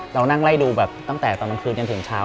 เรานั่งไล่ดูแบบตั้งแต่ตอนกลางคืนจนถึงเช้า